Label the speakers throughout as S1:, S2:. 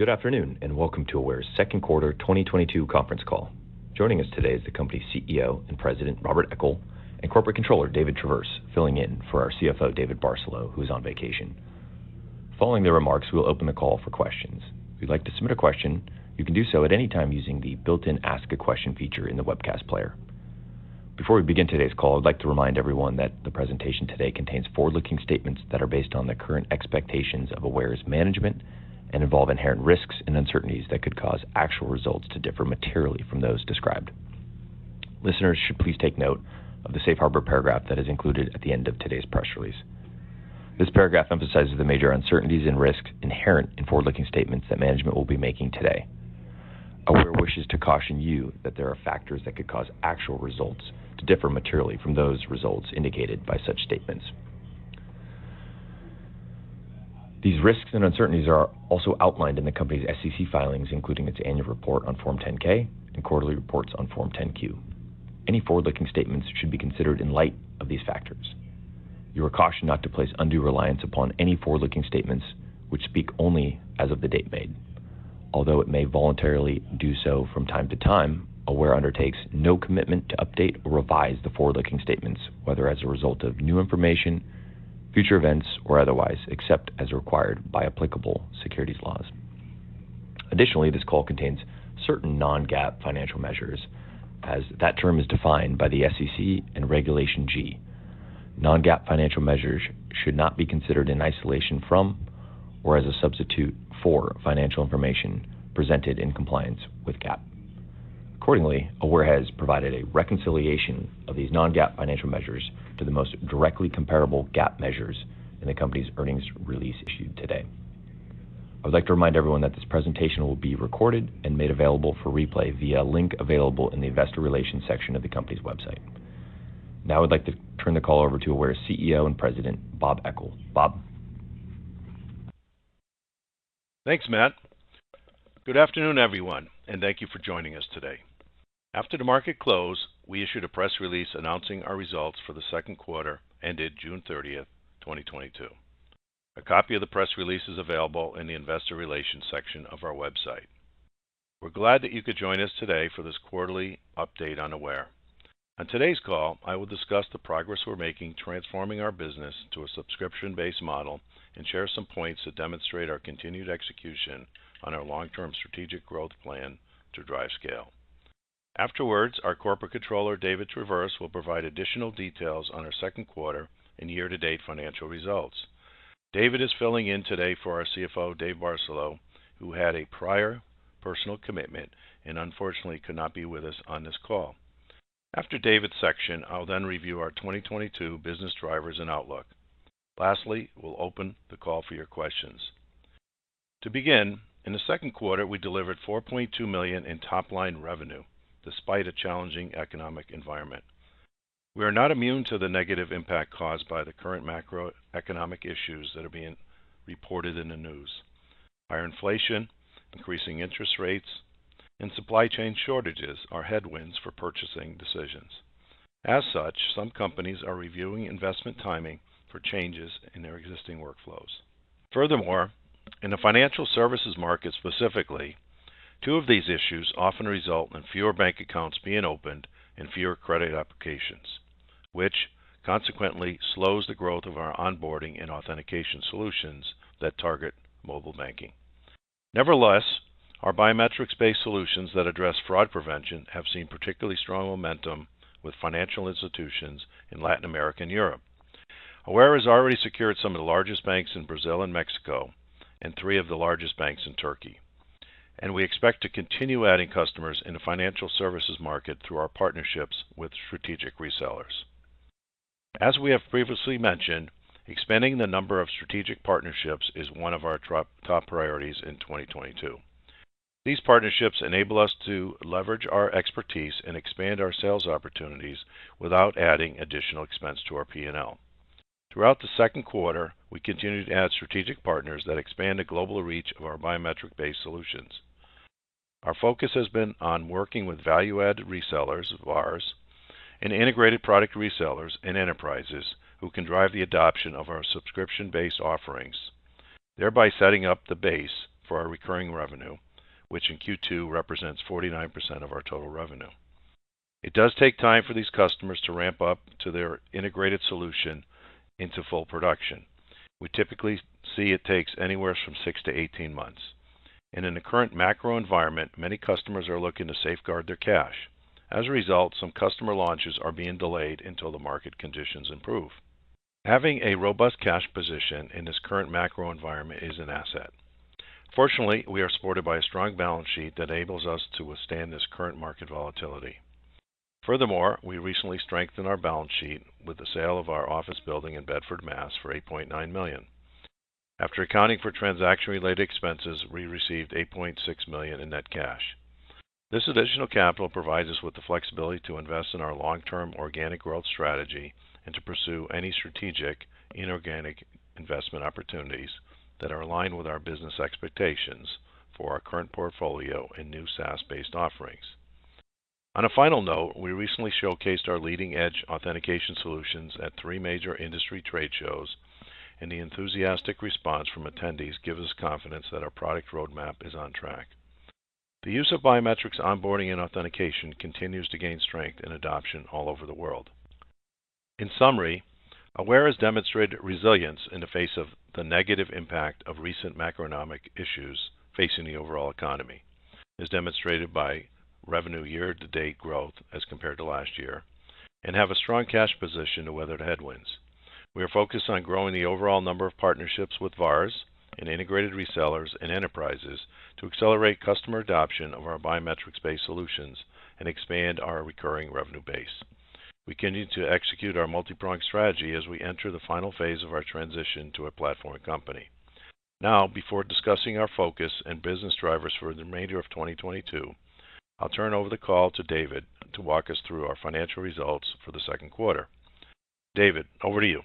S1: Good afternoon, and welcome to Aware's second quarter 2022 conference call. Joining us today is the company's CEO and President, Robert Eckel, and Corporate Controller, David Traverse, filling in for our CFO, David Barcelo, who is on vacation. Following the remarks, we'll open the call for questions. If you'd like to submit a question, you can do so at any time using the built-in Ask a Question feature in the webcast player. Before we begin today's call, I'd like to remind everyone that the presentation today contains forward-looking statements that are based on the current expectations of Aware's management and involve inherent risks and uncertainties that could cause actual results to differ materially from those described. Listeners should please take note of the Safe Harbor paragraph that is included at the end of today's press release. This paragraph emphasizes the major uncertainties and risks inherent in forward-looking statements that management will be making today. Aware wishes to caution you that there are factors that could cause actual results to differ materially from those results indicated by such statements. These risks and uncertainties are also outlined in the company's SEC filings, including its annual report on Form 10-K and quarterly reports on Form 10-Q. Any forward-looking statements should be considered in light of these factors. You are cautioned not to place undue reliance upon any forward-looking statements which speak only as of the date made. Although it may voluntarily do so from time to time, Aware undertakes no commitment to update or revise the forward-looking statements, whether as a result of new information, future events, or otherwise, except as required by applicable securities laws. Additionally, this call contains certain non-GAAP financial measures as that term is defined by the SEC and Regulation G. Non-GAAP financial measures should not be considered in isolation from or as a substitute for financial information presented in compliance with GAAP. Accordingly, Aware has provided a reconciliation of these non-GAAP financial measures to the most directly comparable GAAP measures in the company's earnings release issued today. I would like to remind everyone that this presentation will be recorded and made available for replay via a link available in the investor relations section of the company's website. Now I'd like to turn the call over to Aware's CEO and President, Bob Eckel. Bob.
S2: Thanks, Matt. Good afternoon, everyone, and thank you for joining us today. After the market close, we issued a press release announcing our results for the second quarter ended June 30, 2022. A copy of the press release is available in the investor relations section of our website. We're glad that you could join us today for this quarterly update on Aware. On today's call, I will discuss the progress we're making transforming our business to a subscription-based model and share some points that demonstrate our continued execution on our long-term strategic growth plan to drive scale. Afterwards, our Corporate Controller, David Traverse, will provide additional details on our second quarter and year-to-date financial results. David is filling in today for our CFO, David Barcelo, who had a prior personal commitment and unfortunately could not be with us on this call. After David's section, I'll then review our 2022 business drivers and outlook. Lastly, we'll open the call for your questions. To begin, in the second quarter, we delivered $4.2 million in top line revenue despite a challenging economic environment. We are not immune to the negative impact caused by the current macroeconomic issues that are being reported in the news. Higher inflation, increasing interest rates, and supply chain shortages are headwinds for purchasing decisions. As such, some companies are reviewing investment timing for changes in their existing workflows. Furthermore, in the financial services market specifically, two of these issues often result in fewer bank accounts being opened and fewer credit applications, which consequently slows the growth of our onboarding and authentication solutions that target mobile banking. Nevertheless, our biometrics-based solutions that address fraud prevention have seen particularly strong momentum with financial institutions in Latin America and Europe. Aware has already secured some of the largest banks in Brazil and Mexico and three of the largest banks in Turkey, and we expect to continue adding customers in the financial services market through our partnerships with strategic resellers. As we have previously mentioned, expanding the number of strategic partnerships is one of our top priorities in 2022. These partnerships enable us to leverage our expertise and expand our sales opportunities without adding additional expense to our P&L. Throughout the second quarter, we continued to add strategic partners that expand the global reach of our biometric-based solutions. Our focus has been on working with value-add resellers of ours and integrated product resellers and enterprises who can drive the adoption of our subscription-based offerings, thereby setting up the base for our recurring revenue, which in Q2 represents 49% of our total revenue. It does take time for these customers to ramp up to their integrated solution into full production. We typically see it takes anywhere from 6-18 months. In the current macro environment, many customers are looking to safeguard their cash. As a result, some customer launches are being delayed until the market conditions improve. Having a robust cash position in this current macro environment is an asset. Fortunately, we are supported by a strong balance sheet that enables us to withstand this current market volatility. Furthermore, we recently strengthened our balance sheet with the sale of our office building in Bedford, Mass for $8.9 million. After accounting for transaction-related expenses, we received $8.6 million in net cash. This additional capital provides us with the flexibility to invest in our long-term organic growth strategy and to pursue any strategic inorganic investment opportunities that are aligned with our business expectations for our current portfolio and new SaaS-based offerings. On a final note, we recently showcased our leading-edge authentication solutions at three major industry trade shows, and the enthusiastic response from attendees gives us confidence that our product roadmap is on track. The use of biometrics onboarding and authentication continues to gain strength and adoption all over the world. In summary, Aware has demonstrated resilience in the face of the negative impact of recent macroeconomic issues facing the overall economy, as demonstrated by revenue year-to-date growth as compared to last year, and have a strong cash position to weather the headwinds. We are focused on growing the overall number of partnerships with VARs and integrated resellers and enterprises to accelerate customer adoption of our biometrics-based solutions and expand our recurring revenue base. We continue to execute our multi-pronged strategy as we enter the final phase of our transition to a platform company. Now, before discussing our focus and business drivers for the remainder of 2022, I'll turn over the call to David Traverse to walk us through our financial results for the second quarter. David Traverse, over to you.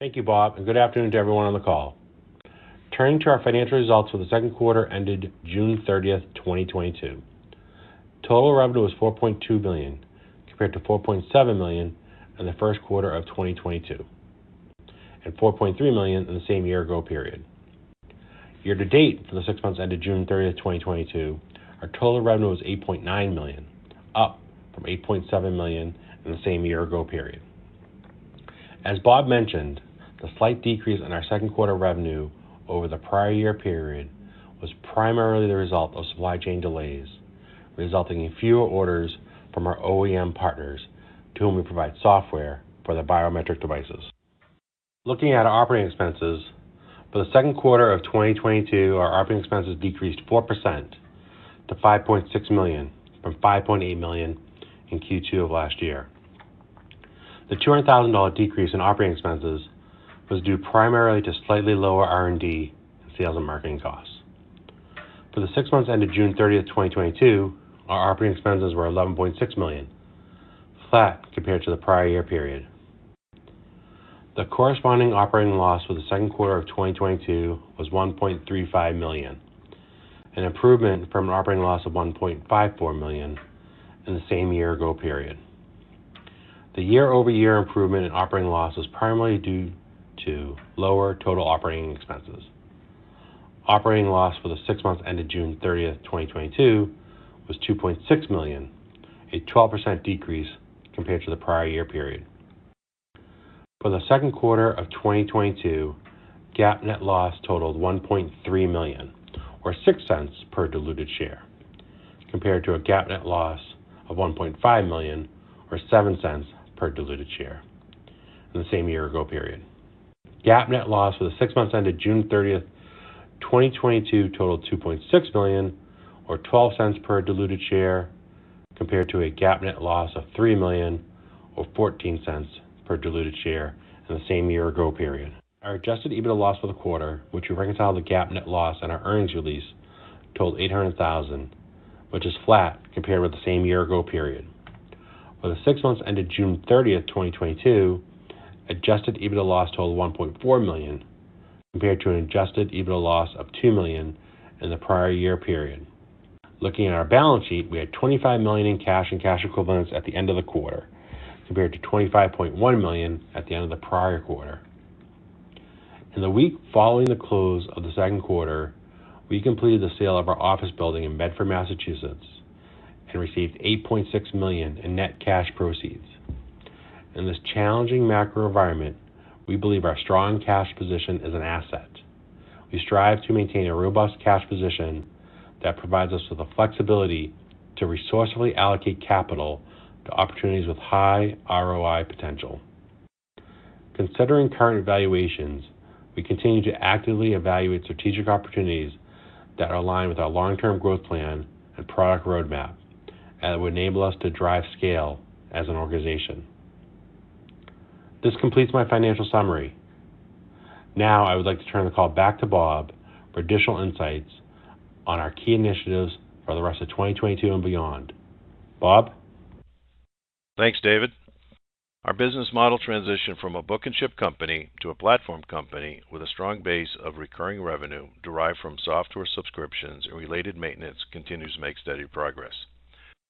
S3: Thank you, Bob, and good afternoon to everyone on the call. Turning to our financial results for the second quarter ended June 30th, 2022. Total revenue was $4.2 million, compared to $4.7 million in the first quarter of 2022, and $4.3 million in the same year ago period. Year to date, for the six months ended June 30, 2022, our total revenue was $8.9 million, up from $8.7 million in the same year ago period. As Bob mentioned, the slight decrease in our second quarter revenue over the prior year period was primarily the result of supply chain delays, resulting in fewer orders from our OEM partners to whom we provide software for their biometric devices. Looking at operating expenses, for the second quarter of 2022, our operating expenses decreased 4% to $5.6 million from $5.8 million in Q2 of last year. The $200,000 decrease in operating expenses was due primarily to slightly lower R&D and sales and marketing costs. For the six months ended June 30th, 2022, our operating expenses were $11.6 million, flat compared to the prior year period. The corresponding operating loss for the second quarter of 2022 was $1.35 million, an improvement from an operating loss of $1.54 million in the same year ago period. The year-over-year improvement in operating loss was primarily due to lower total operating expenses. Operating loss for the six months ended June 30th, 2022 was $2.6 million, a 12% decrease compared to the prior year period. For the second quarter of 2022, GAAP net loss totaled $1.3 million or $0.06 per diluted share, compared to a GAAP net loss of $1.5 million or $0.07 per diluted share in the same year ago period. GAAP net loss for the six months ended June 30, 2022 totaled $2.6 million or $0.12 per diluted share, compared to a GAAP net loss of $3 million or $0.14 per diluted share in the same year ago period. Our adjusted EBITDA loss for the quarter, which we reconcile to the GAAP net loss on our earnings release, totaled $800,000, which is flat compared with the same year ago period. For the six months ended June 30th, 2022, Adjusted EBITDA loss totaled $1.4 million, compared to an Adjusted EBITDA loss of $2 million in the prior year period. Looking at our balance sheet, we had $25 million in cash and cash equivalents at the end of the quarter, compared to $25.1 million at the end of the prior quarter. In the week following the close of the second quarter, we completed the sale of our office building in Bedford, Massachusetts, and received $8.6 million in net cash proceeds. In this challenging macro environment, we believe our strong cash position is an asset. We strive to maintain a robust cash position that provides us with the flexibility to resourcefully allocate capital to opportunities with high ROI potential. Considering current valuations, we continue to actively evaluate strategic opportunities that align with our long-term growth plan and product roadmap that would enable us to drive scale as an organization. This completes my financial summary. Now, I would like to turn the call back to Bob for additional insights on our key initiatives for the rest of 2022 and beyond. Bob?
S2: Thanks, David. Our business model transition from a book and ship company to a platform company with a strong base of recurring revenue derived from software subscriptions and related maintenance continues to make steady progress.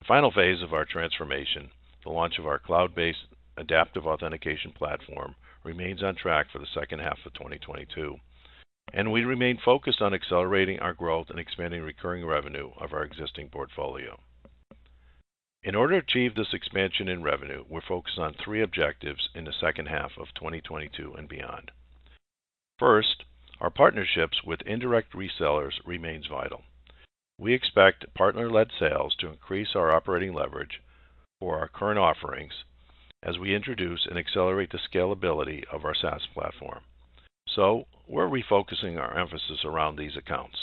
S2: The final phase of our transformation, the launch of our cloud-based adaptive authentication platform, remains on track for the second half of 2022, and we remain focused on accelerating our growth and expanding recurring revenue of our existing portfolio. In order to achieve this expansion in revenue, we're focused on three objectives in the second half of 2022 and beyond. First, our partnerships with indirect resellers remains vital. We expect partner-led sales to increase our operating leverage for our current offerings as we introduce and accelerate the scalability of our SaaS platform. We're refocusing our emphasis around these accounts.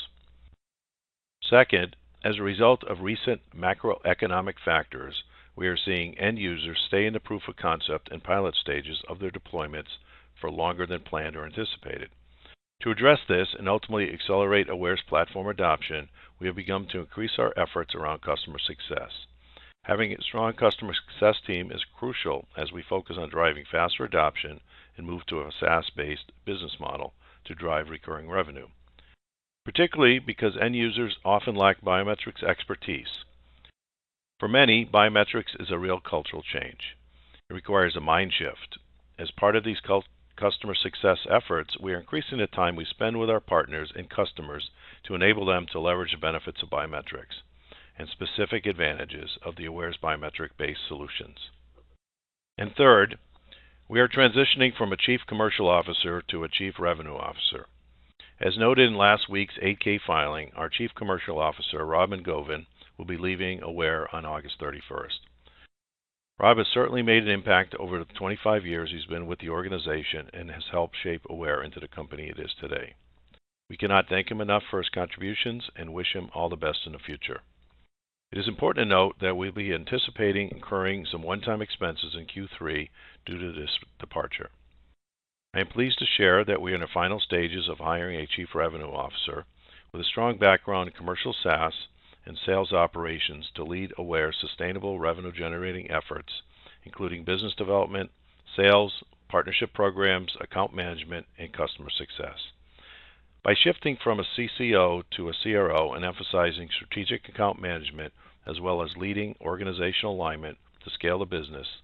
S2: Second, as a result of recent macroeconomic factors, we are seeing end users stay in the proof of concept and pilot stages of their deployments for longer than planned or anticipated. To address this and ultimately accelerate Aware's platform adoption, we have begun to increase our efforts around customer success. Having a strong customer success team is crucial as we focus on driving faster adoption and move to a SaaS-based business model to drive recurring revenue. Particularly because end users often lack biometrics expertise. For many, biometrics is a real cultural change. It requires a mind shift. As part of these customer success efforts, we are increasing the time we spend with our partners and customers to enable them to leverage the benefits of biometrics and specific advantages of the Aware's biometric-based solutions. Third, we are transitioning from a chief commercial officer to a chief revenue officer. As noted in last week's 8-K filing, our chief commercial officer, Rob Mungovan, will be leaving Aware on August 31st. Rob has certainly made an impact over the 25 years he's been with the organization and has helped shape Aware into the company it is today. We cannot thank him enough for his contributions and wish him all the best in the future. It is important to note that we'll be anticipating incurring some one-time expenses in Q3 due to this departure. I am pleased to share that we are in the final stages of hiring a chief revenue officer with a strong background in commercial SaaS and sales operations to lead Aware's sustainable revenue-generating efforts, including business development, sales, partnership programs, account management, and customer success. By shifting from a CCO to a CRO and emphasizing strategic account management as well as leading organizational alignment to scale the business,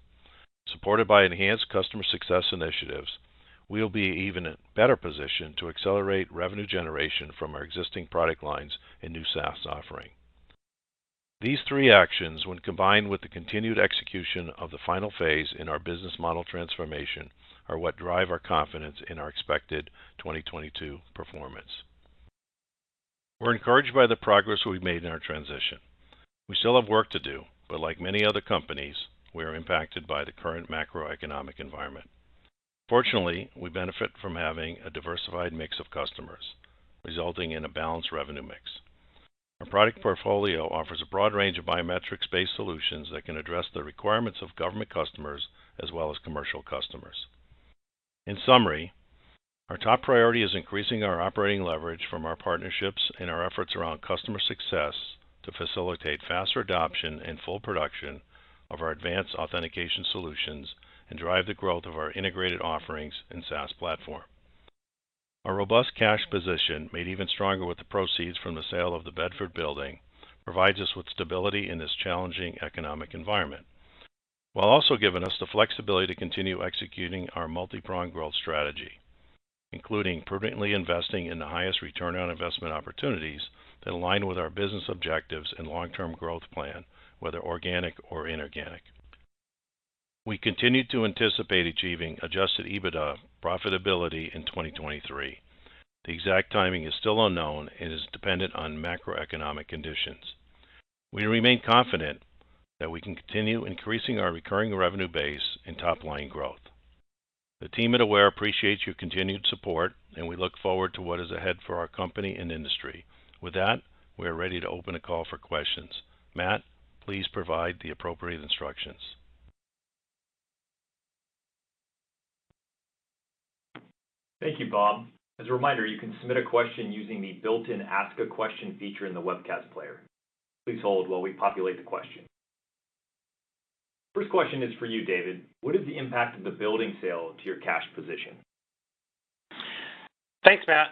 S2: supported by enhanced customer success initiatives, we'll be in even better position to accelerate revenue generation from our existing product lines and new SaaS offering. These three actions, when combined with the continued execution of the final phase in our business model transformation, are what drive our confidence in our expected 2022 performance. We're encouraged by the progress we've made in our transition. We still have work to do, but like many other companies, we are impacted by the current macroeconomic environment. Fortunately, we benefit from having a diversified mix of customers, resulting in a balanced revenue mix. Our product portfolio offers a broad range of biometrics-based solutions that can address the requirements of government customers as well as commercial customers. In summary, our top priority is increasing our operating leverage from our partnerships and our efforts around customer success to facilitate faster adoption and full production of our advanced authentication solutions and drive the growth of our integrated offerings and SaaS platform. Our robust cash position, made even stronger with the proceeds from the sale of the Bedford building, provides us with stability in this challenging economic environment, while also giving us the flexibility to continue executing our multi-pronged growth strategy, including prudently investing in the highest return on investment opportunities that align with our business objectives and long-term growth plan, whether organic or inorganic. We continue to anticipate achieving Adjusted EBITDA profitability in 2023. The exact timing is still unknown and is dependent on macroeconomic conditions. We remain confident that we can continue increasing our recurring revenue base and top line growth. The team at Aware appreciates your continued support, and we look forward to what is ahead for our company and industry. With that, we are ready to open a call for questions. Matt, please provide the appropriate instructions.
S1: Thank you, Bob. As a reminder, you can submit a question using the built-in ask a question feature in the webcast player. Please hold while we populate the question. First question is for you, David. What is the impact of the building sale to your cash position?
S3: Thanks, Matt.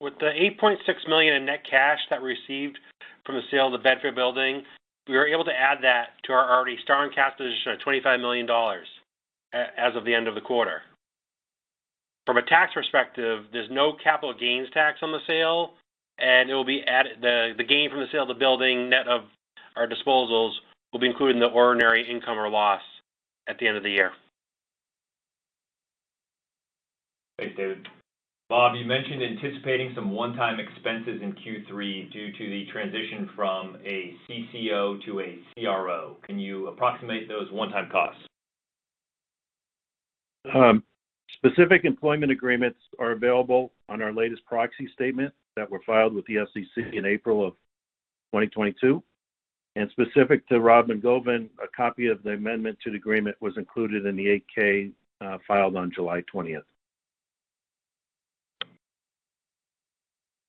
S3: With the $8.6 million in net cash that we received from the sale of the Bedford building, we were able to add that to our already strong cash position of $25 million as of the end of the quarter. From a tax perspective, there's no capital gains tax on the sale, and the gain from the sale of the building net of our disposals will be included in the ordinary income or loss at the end of the year.
S1: Thanks, David. Bob, you mentioned anticipating some one-time expenses in Q3 due to the transition from a CCO to a CRO. Can you approximate those one-time costs?
S2: Specific employment agreements are available on our latest proxy statement that were filed with the SEC in April of 2022. Specific to Rob Mungovan, a copy of the amendment to the agreement was included in the Form 8-K, filed on July 20th.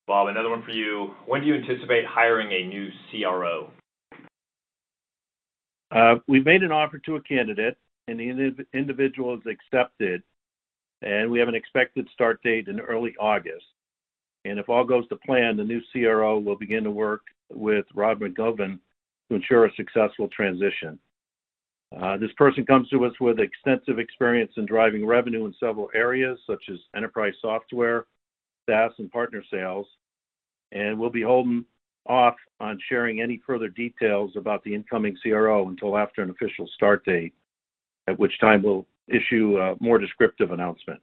S1: Bob, another one for you. When do you anticipate hiring a new CRO?
S2: We've made an offer to a candidate, and the individual has accepted, and we have an expected start date in early August. If all goes to plan, the new CRO will begin to work with Rob Mungovan to ensure a successful transition. This person comes to us with extensive experience in driving revenue in several areas such as enterprise software, SaaS and partner sales. We'll be holding off on sharing any further details about the incoming CRO until after an official start date, at which time we'll issue a more descriptive announcement.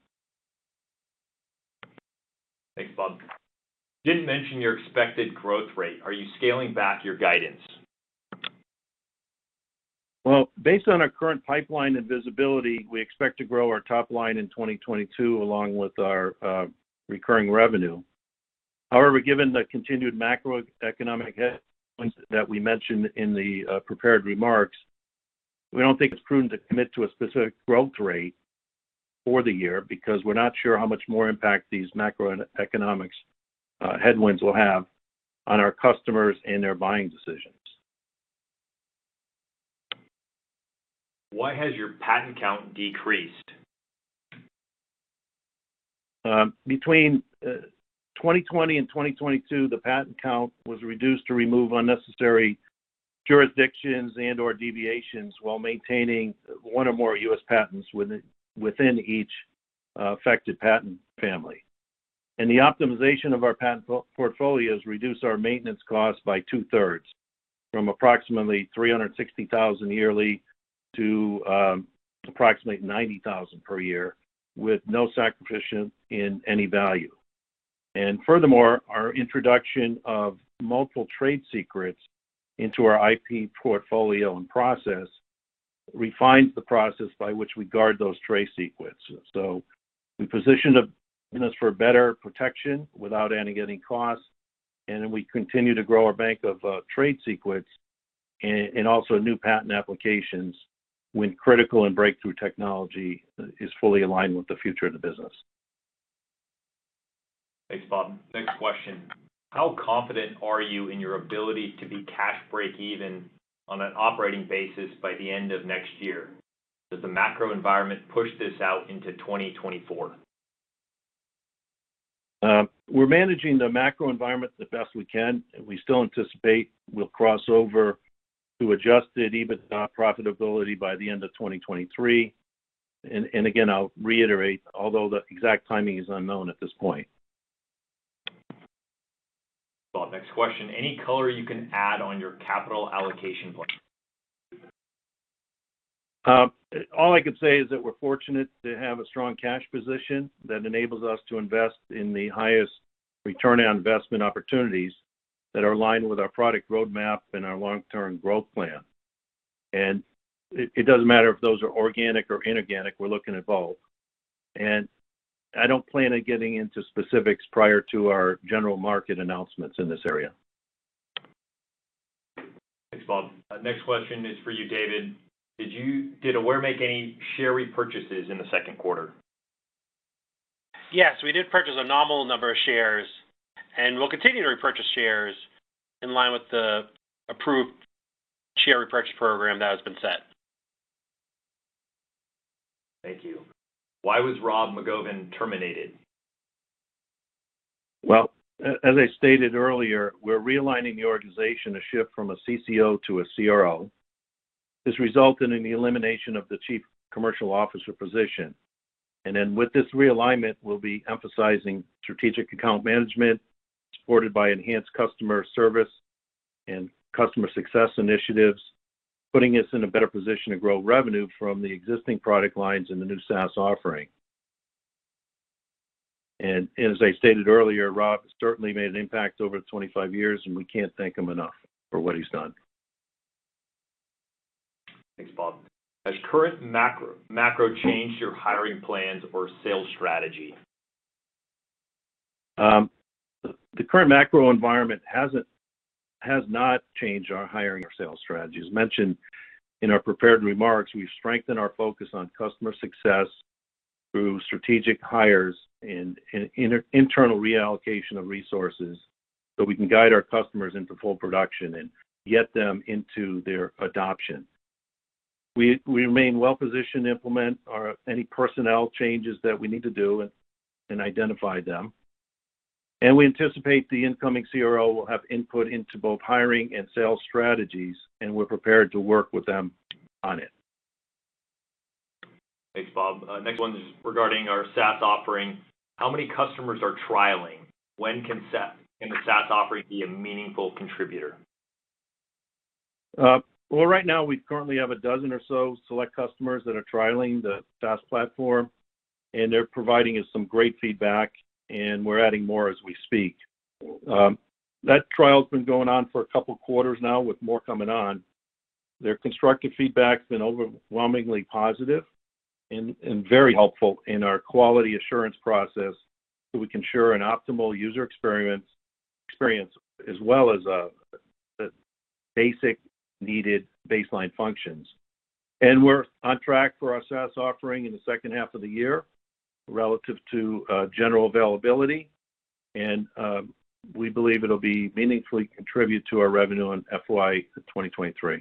S1: Thanks, Bob Eckel. You didn't mention your expected growth rate. Are you scaling back your guidance?
S2: Well, based on our current pipeline and visibility, we expect to grow our top line in 2022 along with our recurring revenue. However, given the continued macroeconomic headwinds that we mentioned in the prepared remarks, we don't think it's prudent to commit to a specific growth rate for the year because we're not sure how much more impact these macroeconomics headwinds will have on our customers and their buying decisions.
S1: Why has your patent count decreased?
S2: Between 2020 and 2022, the patent count was reduced to remove unnecessary jurisdictions and/or deviations while maintaining one or more U.S. patents within each affected patent family. The optimization of our patent portfolios reduce our maintenance costs by two-thirds from approximately $360,000 yearly to approximately $90,000 per year, with no sacrifice in any value. Furthermore, our introduction of multiple trade secrets into our IP portfolio and process refines the process by which we guard those trade secrets. We are positioned, you know, for better protection without any additional costs, and we continue to grow our bank of trade secrets and also new patent applications when critical and breakthrough technology is fully aligned with the future of the business.
S1: Thanks, Bob. Next question. How confident are you in your ability to be cash break-even on an operating basis by the end of next year? Does the macro environment push this out into 2024?
S2: We're managing the macro environment the best we can. We still anticipate we'll cross over to Adjusted EBITDA profitability by the end of 2023. Again, I'll reiterate, although the exact timing is unknown at this point.
S1: Well, next question. Any color you can add on your capital allocation plan?
S2: All I can say is that we're fortunate to have a strong cash position that enables us to invest in the highest return on investment opportunities that are aligned with our product roadmap and our long-term growth plan. It doesn't matter if those are organic or inorganic, we're looking at both. I don't plan on getting into specifics prior to our general market announcements in this area.
S1: Thanks, Bob. Next question is for you, David. Did Aware make any share repurchases in the second quarter?
S3: Yes, we did purchase a nominal number of shares, and we'll continue to repurchase shares in line with the approved share repurchase program that has been set.
S1: Thank you. Why was Rob Mungovan terminated?
S2: Well, as I stated earlier, we're realigning the organization with a shift from a CCO to a CRO. This resulted in the elimination of the Chief Commercial Officer position. With this realignment, we'll be emphasizing strategic account management supported by enhanced customer service and customer success initiatives, putting us in a better position to grow revenue from the existing product lines in the new SaaS offering. As I stated earlier, Rob certainly made an impact over the 25 years, and we can't thank him enough for what he's done.
S1: Thanks, Bob. Has current macro changed your hiring plans or sales strategy?
S2: The current macro environment has not changed our hiring or sales strategy. As mentioned in our prepared remarks, we've strengthened our focus on customer success through strategic hires and internal reallocation of resources so we can guide our customers into full production and get them into their adoption. We remain well-positioned to implement our any personnel changes that we need to do and identify them. We anticipate the incoming CRO will have input into both hiring and sales strategies, and we're prepared to work with them on it.
S1: Thanks, Bob. Next one is regarding our SaaS offering. How many customers are trialing? When can the SaaS offering be a meaningful contributor?
S2: Well, right now we currently have a dozen or so select customers that are trialing the SaaS platform, and they're providing us some great feedback, and we're adding more as we speak. That trial has been going on for a couple of quarters now with more coming on. Their constructive feedback has been overwhelmingly positive and very helpful in our quality assurance process so we can ensure an optimal user experience as well as the basic needed baseline functions. We're on track for our SaaS offering in the second half of the year relative to general availability. We believe it'll be meaningfully contribute to our revenue in FY 2023.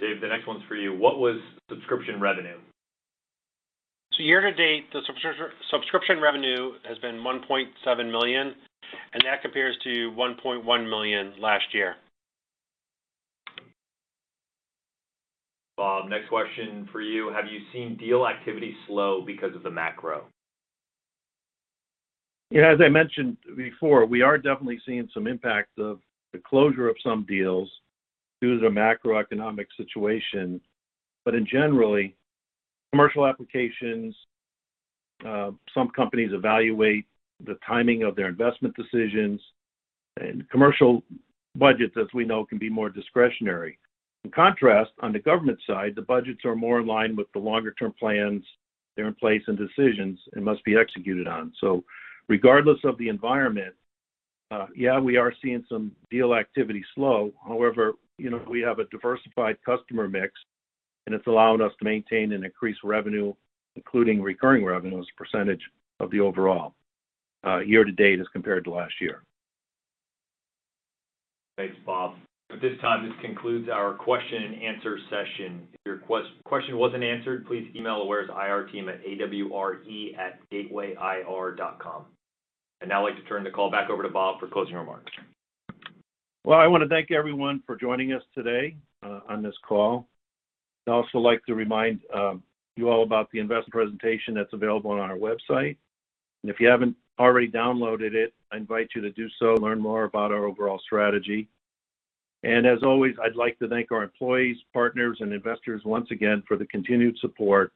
S1: Dave, the next one's for you. What was subscription revenue?
S3: Year to date, the subscription revenue has been $1.7 million, and that compares to $1.1 million last year.
S1: Bob, next question for you. Have you seen deal activity slow because of the macro?
S2: As I mentioned before, we are definitely seeing some impacts of the closure of some deals due to the macroeconomic situation. In general, commercial applications, some companies evaluate the timing of their investment decisions, and commercial budgets, as we know, can be more discretionary. In contrast, on the government side, the budgets are more in line with the longer-term plans that are in place and decisions and must be executed on. Regardless of the environment, yeah, we are seeing some deal activity slow. However, you know, we have a diversified customer mix, and it's allowed us to maintain an increased revenue, including recurring revenue as a percentage of the overall, year to date as compared to last year.
S1: Thanks, Bob. At this time, this concludes our question and answer session. If your question wasn't answered, please email Aware's IR team at Aware@gatewayir.com. I'd now like to turn the call back over to Bob for closing remarks.
S2: Well, I want to thank everyone for joining us today on this call. I'd also like to remind you all about the investor presentation that's available on our website. If you haven't already downloaded it, I invite you to do so, learn more about our overall strategy. As always, I'd like to thank our employees, partners, and investors once again for the continued support,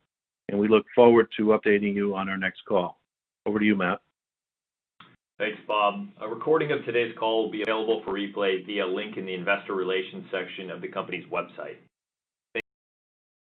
S2: and we look forward to updating you on our next call. Over to you, Matt.
S1: Thanks, Bob. A recording of today's call will be available for replay via link in the investor relations section of the company's website. Thank you.